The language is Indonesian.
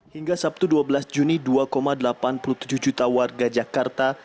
hingga sabtu dua belas juni dua delapan puluh tujuh juta warga jakarta